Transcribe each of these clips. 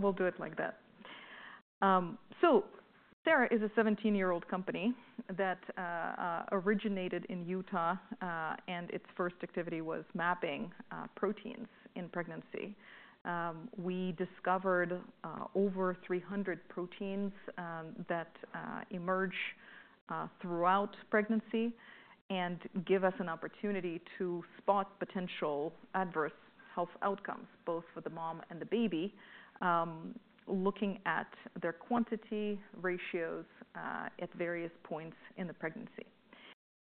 We'll do it like that. So, Sera is a 17-year-old company that originated in Utah, and its first activity was mapping proteins in pregnancy. We discovered over 300 proteins that emerge throughout pregnancy and give us an opportunity to spot potential adverse health outcomes, both for the mom and the baby, looking at their quantity ratios at various points in the pregnancy.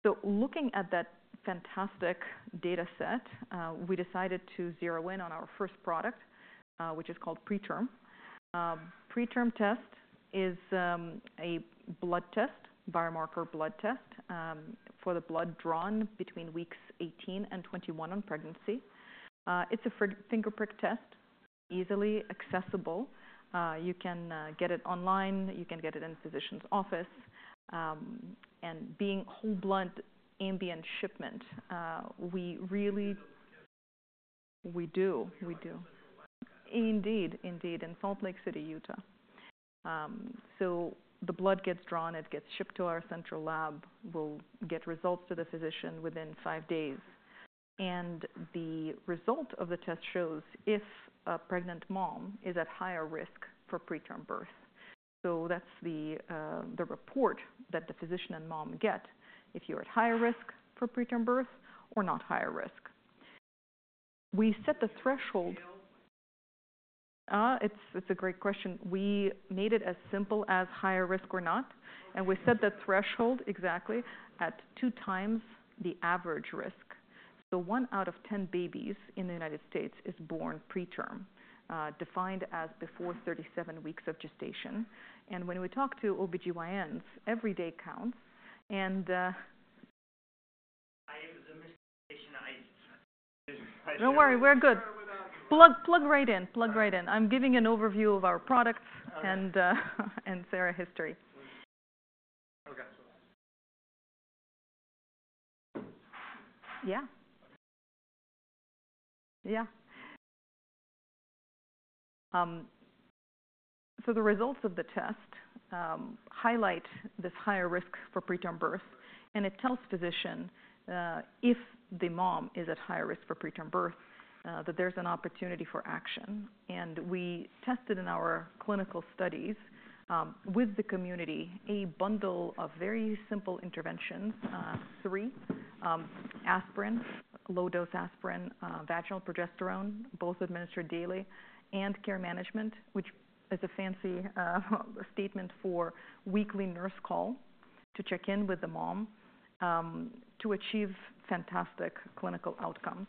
So, looking at that fantastic data set, we decided to zero in on our first product, which is called PreTRM. PreTRM test is a blood test, biomarker blood test, for the blood drawn between weeks 18 and 21 in pregnancy. It's a finger prick test, easily accessible. You can get it online, you can get it in a physician's office. And being whole blood ambient shipment, we really do. Indeed, in Salt Lake City, Utah. So, the blood gets drawn, it gets shipped to our central lab, we'll get results to the physician within five days. And the result of the test shows if a pregnant mom is at higher risk for preterm birth. So, that's the report that the physician and mom get if you're at higher risk for preterm birth or not higher risk. We set the threshold, it's a great question. We made it as simple as higher risk or not. And we set the threshold exactly at two times the average risk. So, one out of ten babies in the United States is born preterm, defined as before 37 weeks of gestation. And when we talk to OBGYNs, every day counts. And. I have a mistake. Don't worry, we're good. Plug right in, plug right in. I'm giving an overview of our products and Sera history. Okay. Yeah, yeah. So, the results of the test highlight this higher risk for preterm birth, and it tells physicians if the mom is at higher risk for preterm birth, that there's an opportunity for action, and we tested in our clinical studies with the community a bundle of very simple interventions: three, aspirin, low-dose aspirin, vaginal progesterone, both administered daily, and care management, which is a fancy statement for weekly nurse call to check in with the mom to achieve fantastic clinical outcomes.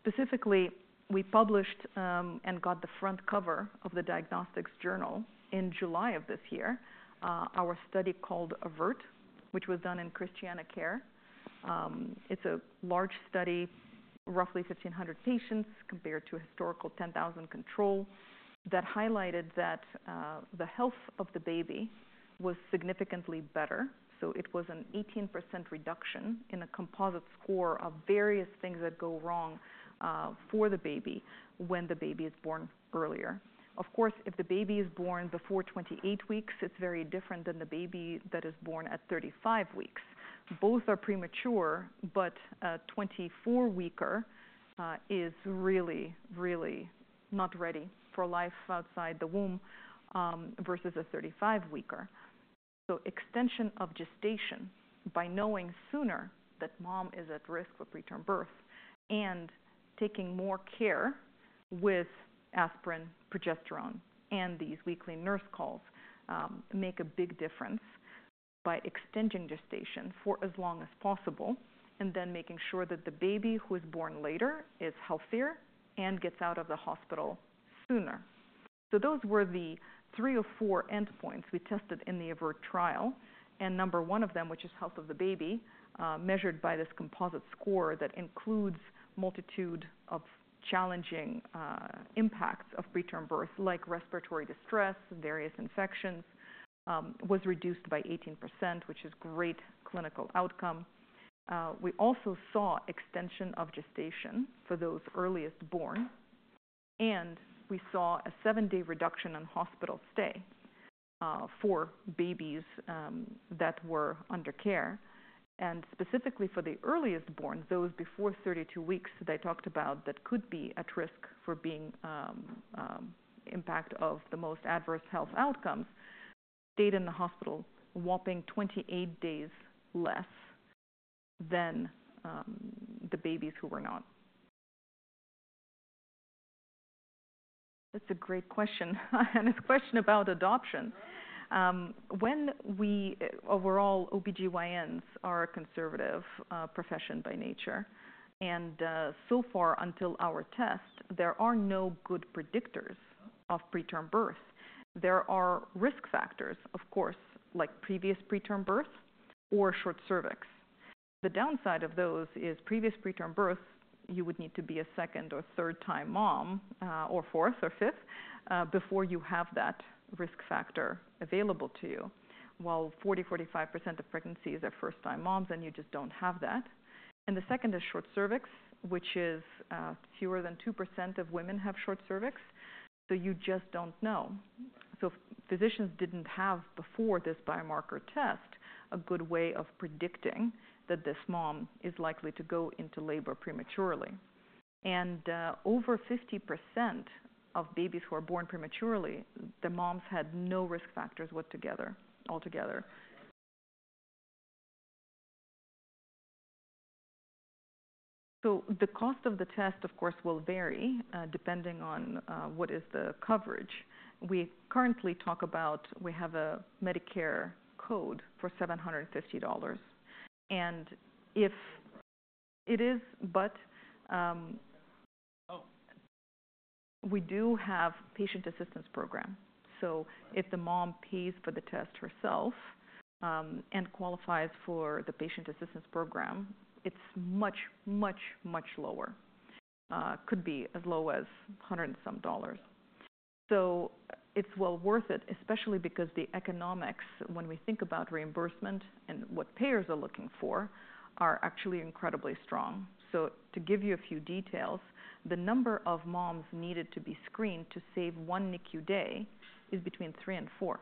Specifically, we published and got the front cover of the Diagnostics journal in July of this year, our study called AVERT, which was done in ChristianaCare. It's a large study, roughly 1,500 patients compared to a historical 10,000 control that highlighted that the health of the baby was significantly better. It was an 18% reduction in a composite score of various things that go wrong for the baby when the baby is born earlier. Of course, if the baby is born before 28 weeks, it's very different than the baby that is born at 35 weeks. Both are premature, but a 24-weeker is really, really not ready for life outside the womb versus a 35-weeker. Extension of gestation by knowing sooner that mom is at risk for preterm birth and taking more care with aspirin, progesterone, and these weekly nurse calls make a big difference by extending gestation for as long as possible and then making sure that the baby who is born later is healthier and gets out of the hospital sooner. Those were the three or four endpoints we tested in the AVERT trial. Number one of them, which is health of the baby, measured by this composite score that includes a multitude of challenging impacts of preterm birth, like respiratory distress, various infections, was reduced by 18%, which is a great clinical outcome. We also saw extension of gestation for those earliest born. We saw a seven-day reduction in hospital stay for babies that were under care. Specifically for the earliest born, those before 32 weeks that I talked about that could be at risk for being impacted by the most adverse health outcomes, stayed in the hospital a whopping 28 days less than the babies who were not. It's a great question. It's a question about adoption. When we overall, OBGYNs are a conservative profession by nature. And so far, until our test, there are no good predictors of preterm birth. There are risk factors, of course, like previous preterm birth or short cervix. The downside of those is previous preterm birth, you would need to be a second or third-time mom or fourth or fifth before you have that risk factor available to you. While 40%-45% of pregnancies are first-time moms, and you just don't have that, and the second is short cervix, which is fewer than 2% of women have short cervix. So, you just don't know, so physicians didn't have before this biomarker test a good way of predicting that this mom is likely to go into labor prematurely, and over 50% of babies who are born prematurely, the moms had no risk factors altogether, so the cost of the test, of course, will vary depending on what is the coverage. We currently talk about we have a Medicare code for $750. And if it is, but we do have a patient assistance program. So, if the mom pays for the test herself and qualifies for the patient assistance program, it's much, much, much lower. Could be as low as a hundred and some dollars. So, it's well worth it, especially because the economics, when we think about reimbursement and what payers are looking for, are actually incredibly strong. So, to give you a few details, the number of moms needed to be screened to save one NICU day is between three and four.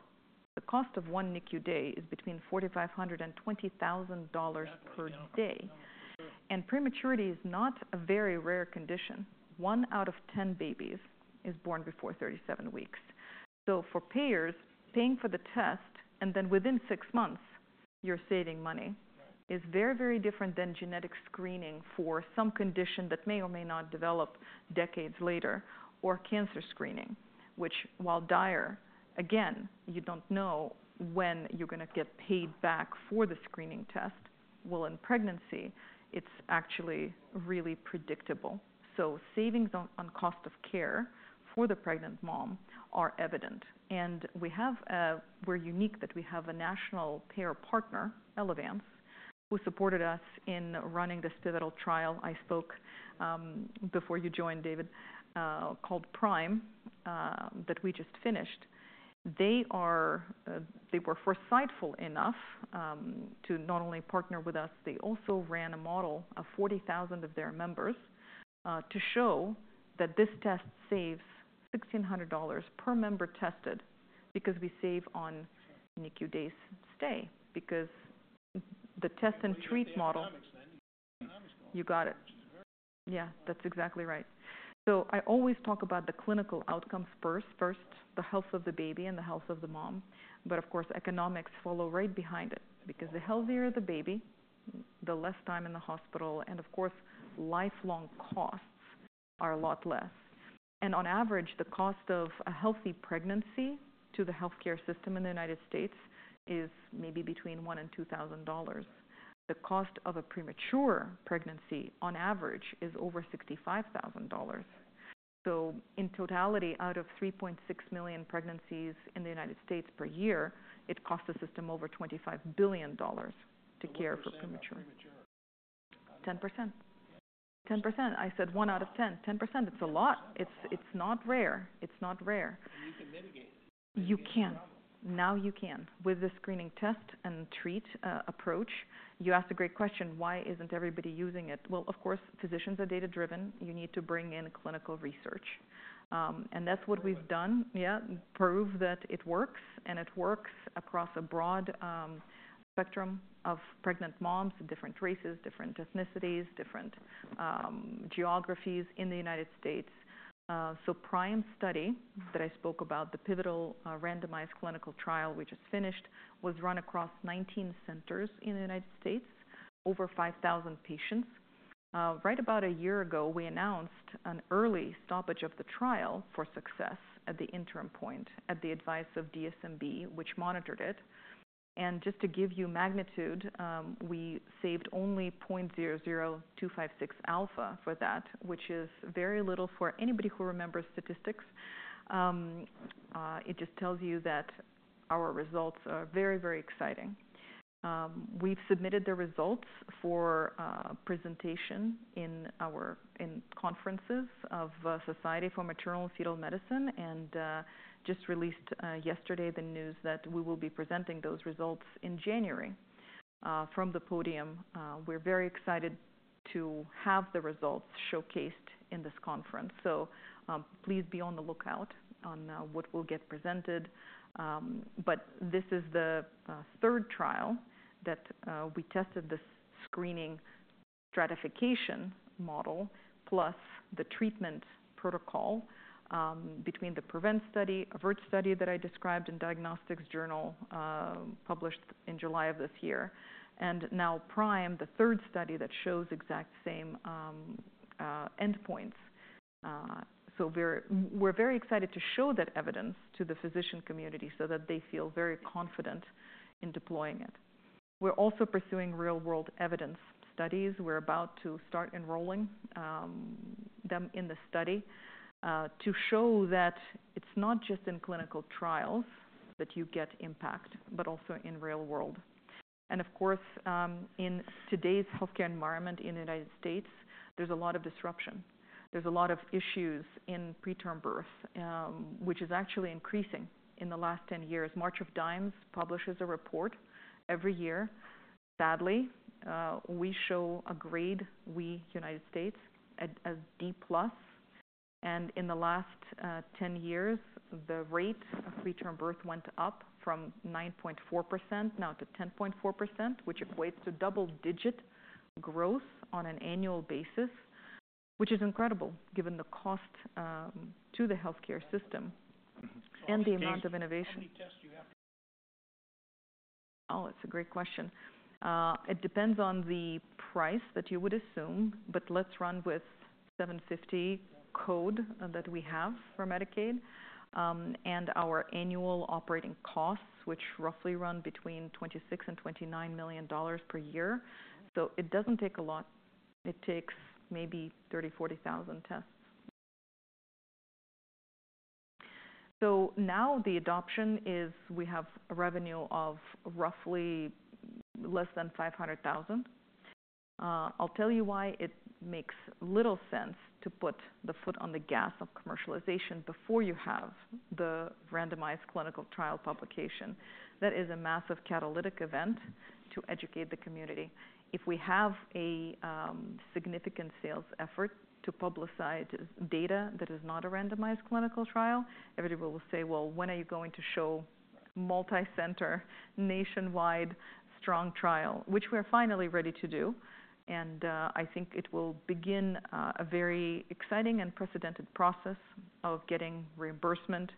The cost of one NICU day is between $4,500 and $20,000 per day. And prematurity is not a very rare condition. One out of ten babies is born before 37 weeks. So, for payers, paying for the test and then within six months, you're saving money is very, very different than genetic screening for some condition that may or may not develop decades later or cancer screening, which while dire, again, you don't know when you're going to get paid back for the screening test. Well, in pregnancy, it's actually really predictable. So, savings on cost of care for the pregnant mom are evident. And we're unique that we have a national payer partner, Elevance, who supported us in running this pivotal trial I spoke before you joined, David, called PRIME that we just finished. They were foresightful enough to not only partner with us, they also ran a model of 40,000 of their members to show that this test saves $1,600 per member tested because we save on NICU days stay, because the test and treat model. You got it. Yeah, that's exactly right. So, I always talk about the clinical outcomes first, first the health of the baby and the health of the mom. But of course, economics follow right behind it, because the healthier the baby, the less time in the hospital, and of course, lifelong costs are a lot less. And on average, the cost of a healthy pregnancy to the healthcare system in the United States is maybe between $1,000 and $2,000. The cost of a premature pregnancy, on average, is over $65,000. So, in totality, out of 3.6 million pregnancies in the United States per year, it costs the system over $25 billion to care for premature. 10%. 10%. I said one out of ten. 10%, it's a lot. It's not rare. It's not rare. You can. Now you can. With the screening test and treat approach, you asked a great question. Why isn't everybody using it? Well, of course, physicians are data-driven. You need to bring in clinical research. And that's what we've done, yeah, prove that it works, and it works across a broad spectrum of pregnant moms, different races, different ethnicities, different geographies in the United States. So, PRIME study that I spoke about, the pivotal randomized clinical trial we just finished, was run across 19 centers in the United States, over 5,000 patients. Right about a year ago, we announced an early stoppage of the trial for success at the interim point at the advice of DSMB, which monitored it. And just to give you magnitude, we saved only 0.00256 alpha for that, which is very little for anybody who remembers statistics. It just tells you that our results are very, very exciting. We've submitted the results for presentation in our conferences of Society for Maternal-Fetal Medicine, and just released yesterday the news that we will be presenting those results in January from the podium. We're very excited to have the results showcased in this conference, so please be on the lookout on what we'll get presented, but this is the third trial that we tested this screening stratification model plus the treatment protocol between the PREVENT study, AVERT study that I described in Diagnostics journal published in July of this year, and now PRIME, the third study that shows exact same endpoints, so we're very excited to show that evidence to the physician community so that they feel very confident in deploying it. We're also pursuing real-world evidence studies. We're about to start enrolling them in the study to show that it's not just in clinical trials that you get impact, but also in real world. And of course, in today's healthcare environment in the United States, there's a lot of disruption. There's a lot of issues in preterm birth, which is actually increasing in the last 10 years. March of Dimes publishes a report every year. Sadly, we show a grade, we, United States, as D plus. And in the last 10 years, the rate of preterm birth went up from 9.4% now to 10.4%, which equates to double-digit growth on an annual basis, which is incredible given the cost to the healthcare system and the amount of innovation. Oh, it's a great question. It depends on the price that you would assume, but let's run with 750 code that we have for Medicaid and our annual operating costs, which roughly run between $26 to 29 million per year. So, it doesn't take a lot. It takes maybe 30,000-40,000 tests. So, now the adoption is we have a revenue of roughly less than $500,000. I'll tell you why it makes little sense to put the foot on the gas of commercialization before you have the randomized clinical trial publication. That is a massive catalytic event to educate the community. If we have a significant sales effort to publicize data that is not a randomized clinical trial, everybody will say, well, when are you going to show a multi-center nationwide strong trial, which we are finally ready to do. I think it will begin a very exciting and unprecedented process of getting reimbursement,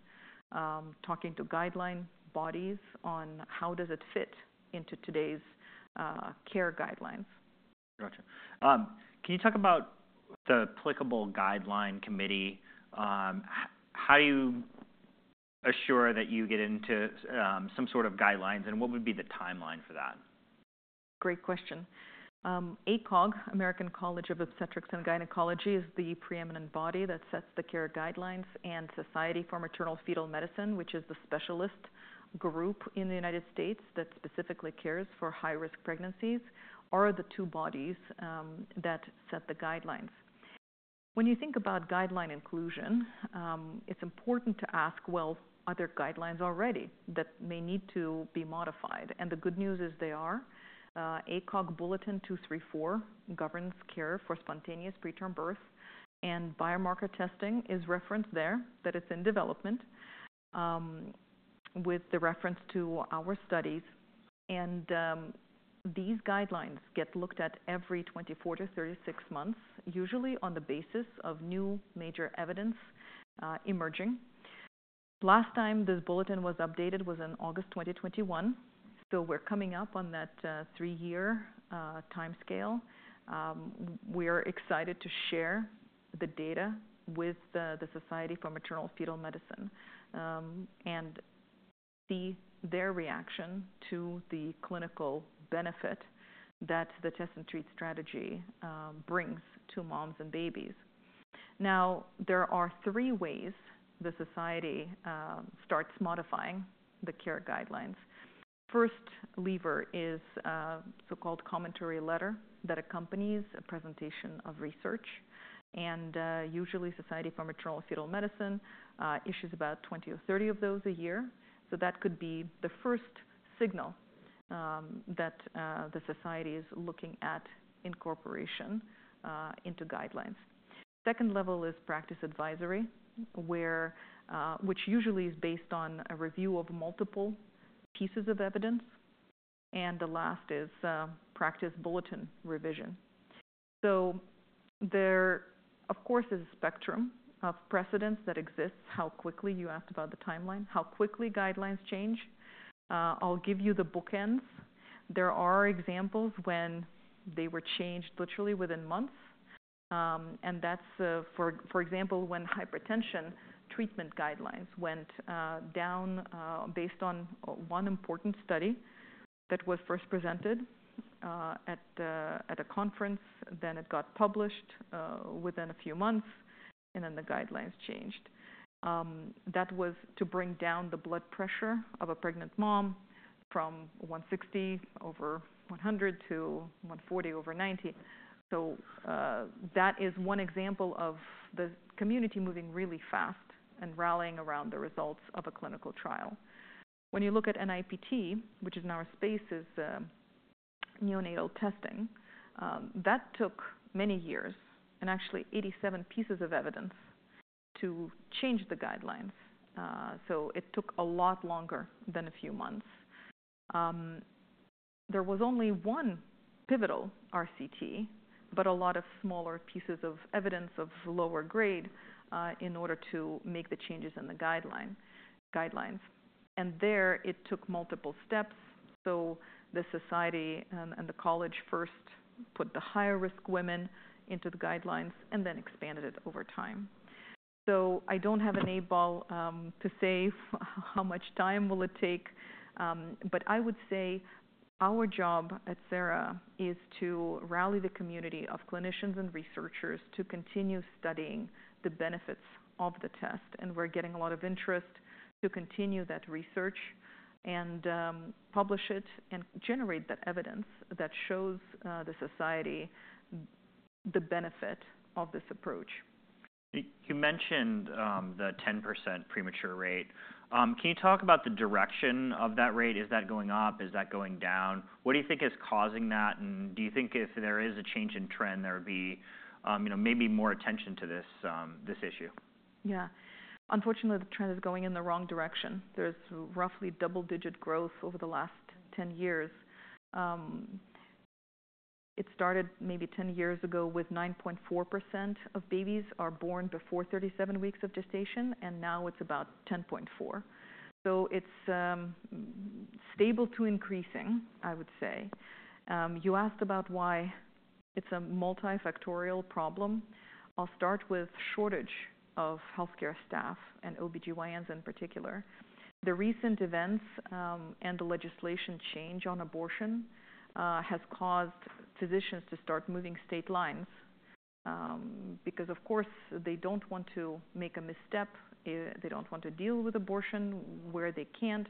talking to guideline bodies on how does it fit into today's care guidelines. Gotcha. Can you talk about the applicable guideline committee? How do you assure that you get into some sort of guidelines, and what would be the timeline for that? Great question. ACOG, American College of Obstetricians and Gynecologists, is the preeminent body that sets the care guidelines, and Society for Maternal-Fetal Medicine, which is the specialist group in the United States that specifically cares for high-risk pregnancies, are the two bodies that set the guidelines. When you think about guideline inclusion, it's important to ask, well, are there guidelines already that may need to be modified? The good news is there are. ACOG Bulletin 234 governs care for spontaneous preterm birth, and biomarker testing is referenced there that it's in development with the reference to our studies. These guidelines get looked at every 24-36 months, usually on the basis of new major evidence emerging. Last time this bulletin was updated was in August 2021. We're coming up on that three-year timescale. We are excited to share the data with the Society for Maternal-Fetal Medicine and see their reaction to the clinical benefit that the test and treat strategy brings to moms and babies. Now, there are three ways the society starts modifying the care guidelines. First lever is so-called commentary letter that accompanies a presentation of research. Usually, Society for Maternal-Fetal Medicine issues about 20 or 30 of those a year. That could be the first signal that the society is looking at incorporation into guidelines. Second level is Practice Advisory, which usually is based on a review of multiple pieces of evidence. The last is Practice Bulletin revision. There, of course, is a spectrum of precedents that exists. How quickly? You asked about the timeline. How quickly guidelines change? I'll give you the bookends. There are examples when they were changed literally within months. That's, for example, when hypertension treatment guidelines went down based on one important study that was first presented at a conference. It got published within a few months, and the guidelines changed. That was to bring down the blood pressure of a pregnant mom from 160 over 100 to 140 over 90. That is one example of the community moving really fast and rallying around the results of a clinical trial. When you look at NIPT, which is now a space, is neonatal testing, that took many years and actually 87 pieces of evidence to change the guidelines. It took a lot longer than a few months. There was only one pivotal RCT, but a lot of smaller pieces of evidence of lower grade in order to make the changes in the guidelines. There, it took multiple steps. The society and the college first put the higher-risk women into the guidelines and then expanded it over time. I don't have an eight ball to say how much time will it take, but I would say our job at Sera is to rally the community of clinicians and researchers to continue studying the benefits of the test. And we're getting a lot of interest to continue that research and publish it and generate that evidence that shows the society the benefit of this approach. You mentioned the 10% premature rate. Can you talk about the direction of that rate? Is that going up? Is that going down? What do you think is causing that? And do you think if there is a change in trend, there would be maybe more attention to this issue? Yeah. Unfortunately, the trend is going in the wrong direction. There's roughly double-digit growth over the last ten years. It started maybe ten years ago with 9.4% of babies born before 37 weeks of gestation, and now it's about 10.4%. So, it's stable to increasing, I would say. You asked about why it's a multifactorial problem. I'll start with shortage of healthcare staff and OBGYNs in particular. The recent events and the legislation change on abortion has caused physicians to start moving state lines because, of course, they don't want to make a misstep. They don't want to deal with abortion where they can't,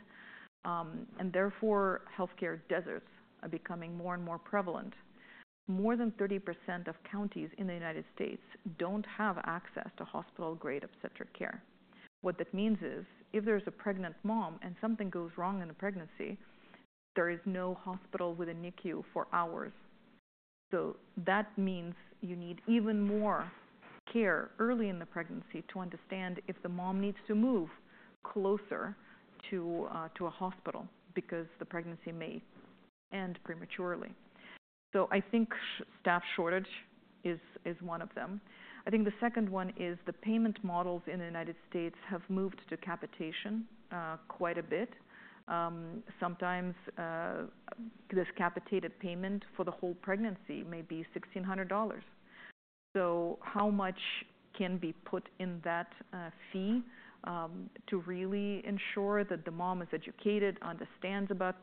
and therefore, healthcare deserts are becoming more and more prevalent. More than 30% of counties in the United States don't have access to hospital-grade obstetric care. What that means is if there's a pregnant mom and something goes wrong in the pregnancy, there is no hospital with a NICU for hours, so that means you need even more care early in the pregnancy to understand if the mom needs to move closer to a hospital because the pregnancy may end prematurely, so I think staff shortage is one of them. I think the second one is the payment models in the United States have moved to capitation quite a bit. Sometimes this capitated payment for the whole pregnancy may be $1,600. So, how much can be put in that fee to really ensure that the mom is educated, understands about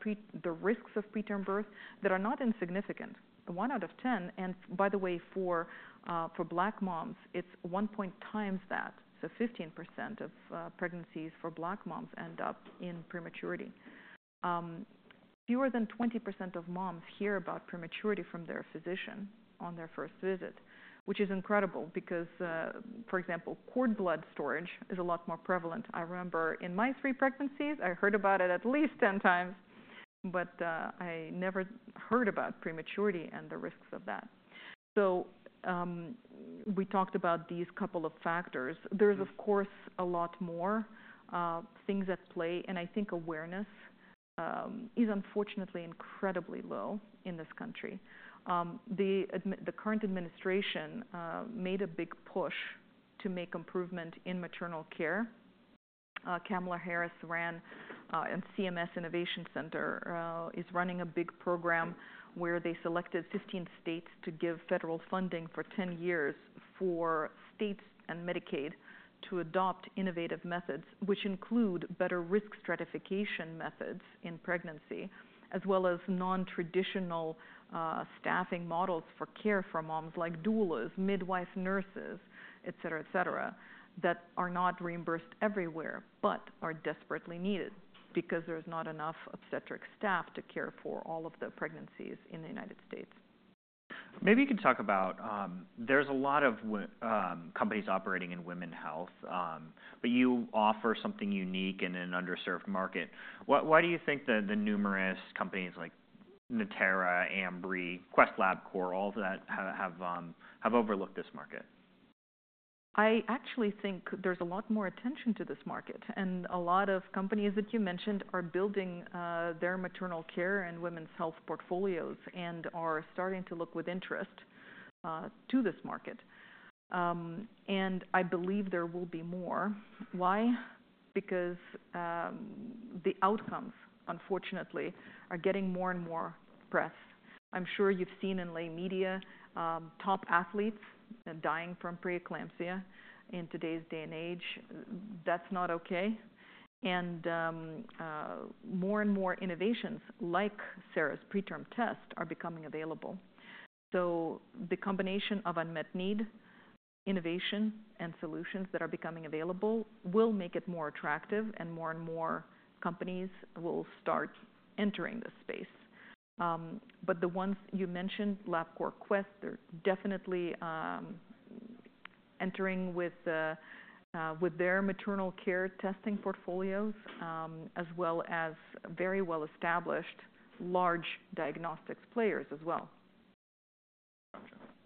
the risks of preterm birth that are not insignificant? One out of ten. And by the way, for Black moms, it's 1.5 times that. So, 15% of pregnancies for Black moms end up in prematurity. Fewer than 20% of moms hear about prematurity from their physician on their first visit, which is incredible because, for example, cord blood storage is a lot more prevalent. I remember in my three pregnancies, I heard about it at least 10 times, but I never heard about prematurity and the risks of that. So, we talked about these couple of factors. There's, of course, a lot more things at play. And I think awareness is unfortunately incredibly low in this country. The current administration made a big push to make improvement in maternal care. Kamala Harris ran and CMS Innovation Center is running a big program where they selected 15 states to give federal funding for ten years for states and Medicaid to adopt innovative methods, which include better risk stratification methods in pregnancy, as well as nontraditional staffing models for care for moms like doulas, midwife, nurses, et cetera, et cetera, that are not reimbursed everywhere, but are desperately needed because there's not enough obstetric staff to care for all of the pregnancies in the United States. Maybe you can talk about there's a lot of companies operating in women's health, but you offer something unique in an underserved market. Why do you think that the numerous companies like Natera, Ambry, Quest, Labcorp, all of that have overlooked this market? I actually think there's a lot more attention to this market. And a lot of companies that you mentioned are building their maternal care and women's health portfolios and are starting to look with interest to this market. And I believe there will be more. Why? Because the outcomes, unfortunately, are getting more and more press. I'm sure you've seen in lay media top athletes dying from preeclampsia in today's day and age. That's not okay. And more and more innovations like Sera's PreTRM test are becoming available. So, the combination of unmet need, innovation, and solutions that are becoming available will make it more attractive, and more and more companies will start entering this space. But the ones you mentioned, Labcorp, Quest, they're definitely entering with their maternal care testing portfolios, as well as very well-established large diagnostics players as well. Gotcha.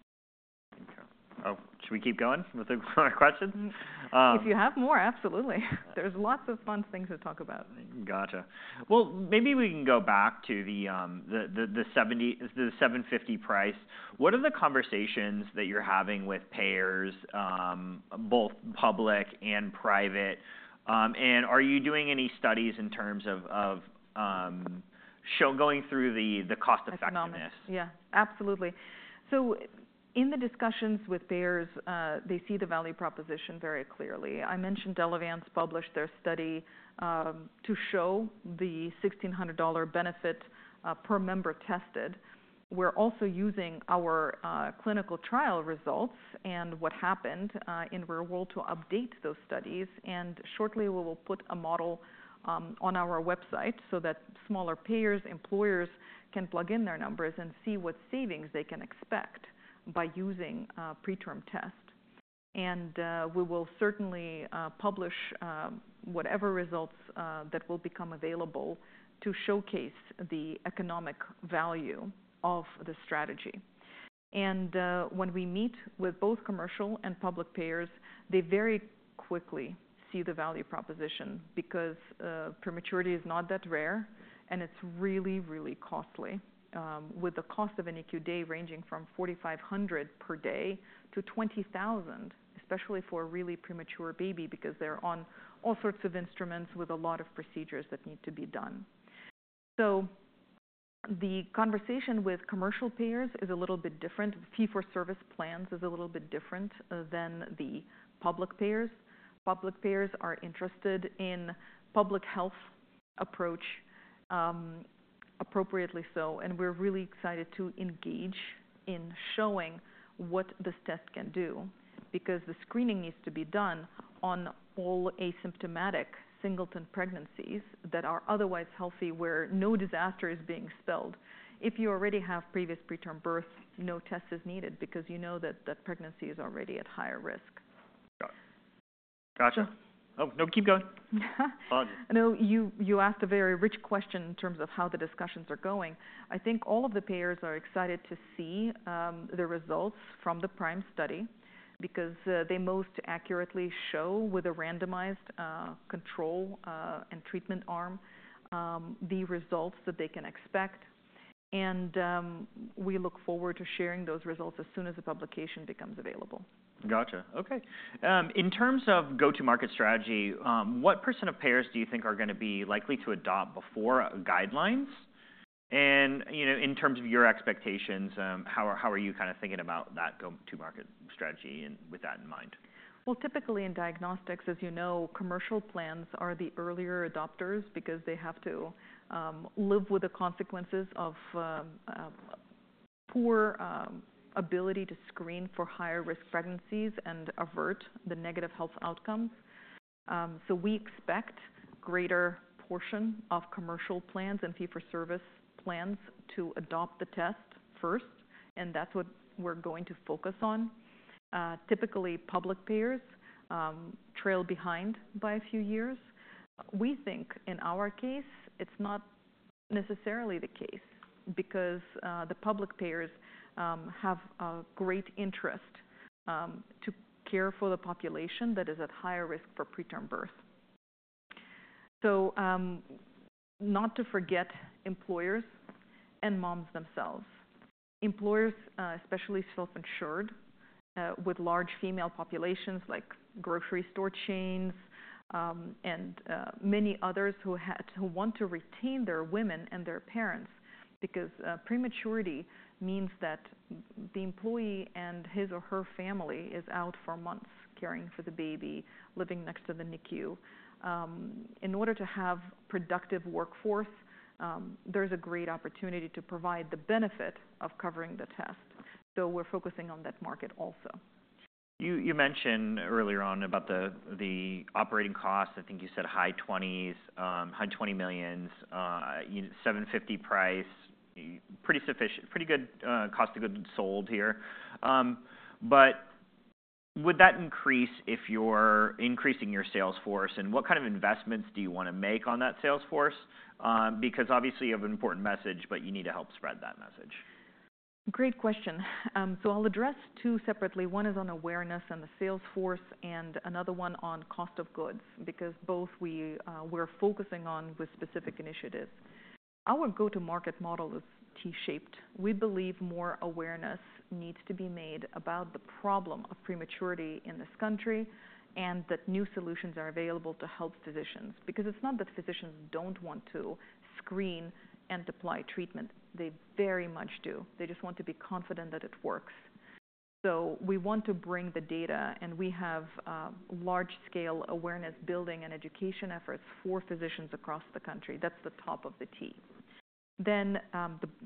Oh, should we keep going with the questions? If you have more, absolutely. There's lots of fun things to talk about. Gotcha. Well, maybe we can go back to the $750 price. What are the conversations that you're having with payers, both public and private? And are you doing any studies in terms of showing the cost-effectiveness? Yeah, absolutely. So, in the discussions with payers, they see the value proposition very clearly. I mentioned Elevance published their study to show the $1,600 benefit per member tested. We're also using our clinical trial results and what happened in real world to update those studies. And shortly, we will put a model on our website so that smaller payers, employers can plug in their numbers and see what savings they can expect by using PreTRM test. We will certainly publish whatever results that will become available to showcase the economic value of the strategy. When we meet with both commercial and public payers, they very quickly see the value proposition because prematurity is not that rare, and it's really, really costly, with the cost of an ICU day ranging from $4,500-$20,000 per day, especially for a really premature baby because they're on all sorts of instruments with a lot of procedures that need to be done. The conversation with commercial payers is a little bit different. The fee-for-service plans is a little bit different than the public payers. Public payers are interested in public health approach appropriately so. We're really excited to engage in showing what this test can do because the screening needs to be done on all asymptomatic singleton pregnancies that are otherwise healthy where no risk factor is being spelled out. If you already have previous preterm births, no test is needed because you know that that pregnancy is already at higher risk. Gotcha. Oh, no, keep going. No, you asked a very rich question in terms of how the discussions are going. I think all of the payers are excited to see the results from the PRIME study because they most accurately show with a randomized control and treatment arm the results that they can expect. And we look forward to sharing those results as soon as the publication becomes available. Gotcha. Okay. In terms of go-to-market strategy, what % of payers do you think are going to be likely to adopt before guidelines? In terms of your expectations, how are you kind of thinking about that go-to-market strategy with that in mind? Typically in diagnostics, as you know, commercial plans are the earlier adopters because they have to live with the consequences of poor ability to screen for higher-risk pregnancies and avert the negative health outcomes. We expect a greater portion of commercial plans and fee-for-service plans to adopt the test first. And that's what we're going to focus on. Typically, public payers trail behind by a few years. We think in our case, it's not necessarily the case because the public payers have a great interest to care for the population that is at higher risk for preterm birth. Not to forget employers and moms themselves. Employers, especially self-insured with large female populations like grocery store chains and many others who want to retain their women and their parents because prematurity means that the employee and his or her family is out for months caring for the baby, living next to the NICU. In order to have a productive workforce, there's a great opportunity to provide the benefit of covering the test. So, we're focusing on that market also. You mentioned earlier on about the operating costs. I think you said high 20s, high 20 millions, $750 price, pretty sufficient, pretty good cost of goods sold here. But would that increase if you're increasing your sales force? And what kind of investments do you want to make on that sales force? Because obviously you have an important message, but you need to help spread that message. Great question. So, I'll address two separately. One is on awareness and the sales force, and another one on cost of goods because both we're focusing on with specific initiatives. Our go-to-market model is T-shaped. We believe more awareness needs to be made about the problem of prematurity in this country and that new solutions are available to help physicians because it's not that physicians don't want to screen and apply treatment. They very much do. They just want to be confident that it works. So, we want to bring the data, and we have large-scale awareness building and education efforts for physicians across the country. That's the top of the T. Then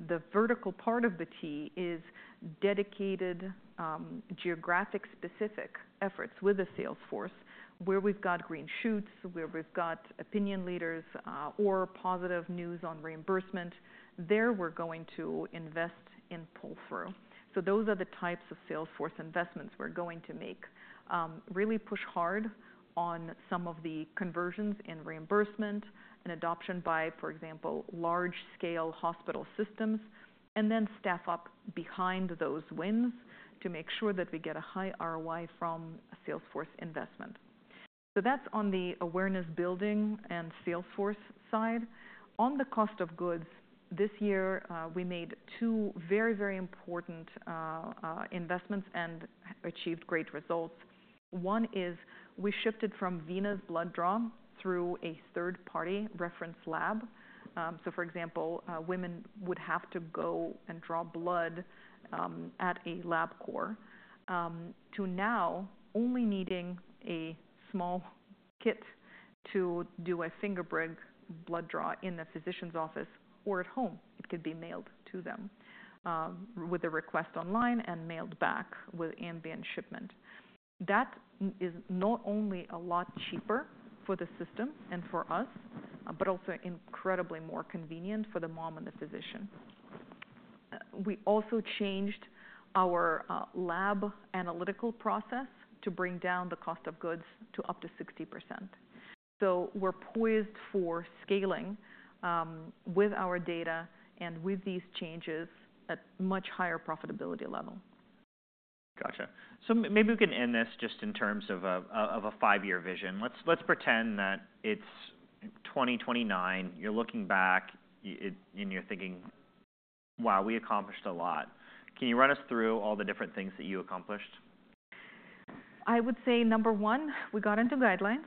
the vertical part of the T is dedicated geographic-specific efforts with a sales force where we've got green shoots, where we've got opinion leaders or positive news on reimbursement. There we're going to invest in pull-through. So, those are the types of sales force investments we're going to make, really push hard on some of the conversions in reimbursement and adoption by, for example, large-scale hospital systems, and then staff up behind those wins to make sure that we get a high ROI from sales force investment. So, that's on the awareness building and sales force side. On the cost of goods, this year we made two very, very important investments and achieved great results. One is we shifted from venous blood draw through a third-party reference lab. So, for example, women would have to go and draw blood at a Labcorp to now only needing a small kit to do a finger prick blood draw in the physician's office or at home. It could be mailed to them with a request online and mailed back with ambient shipment. That is not only a lot cheaper for the system and for us, but also incredibly more convenient for the mom and the physician. We also changed our lab analytical process to bring down the cost of goods to up to 60%. So, we're poised for scaling with our data and with these changes at a much higher profitability level. Gotcha. So, maybe we can end this just in terms of a five-year vision. Let's pretend that it's 2029. You're looking back and you're thinking, "Wow, we accomplished a lot." Can you run us through all the different things that you accomplished? I would say number one, we got into guidelines.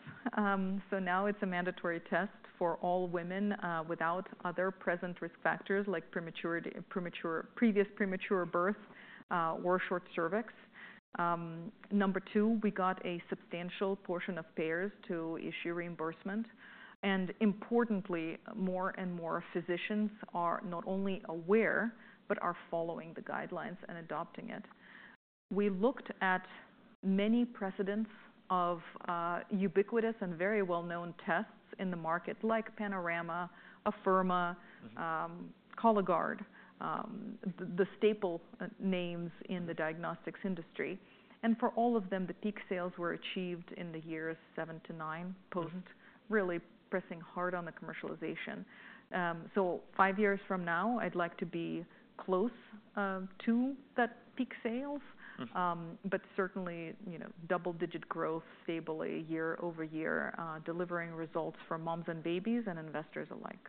So now it's a mandatory test for all women without other present risk factors like previous premature birth or short cervix. Number two, we got a substantial portion of payers to issue reimbursement. Importantly, more and more physicians are not only aware, but are following the guidelines and adopting it. We looked at many precedents of ubiquitous and very well-known tests in the market, like Panorama, Afirma, Cologuard, the staple names in the diagnostics industry. For all of them, the peak sales were achieved in the years seven to nine post really pressing hard on the commercialization. Five years from now, I'd like to be close to that peak sales, but certainly double-digit growth, stable year over year, delivering results for moms and babies and investors alike.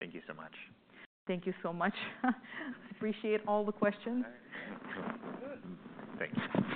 Thank you so much. Thank you so much. Appreciate all the questions. Thanks.